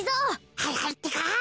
はいはいってか。